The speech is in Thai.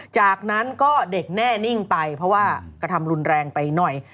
จากนั้นก็เด็กแน่นิ่งไปเพราะว่ากระทำรุนแรงไปหน่อย